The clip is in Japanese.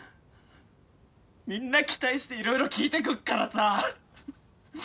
みんな期待して色々聞いてくっからさ。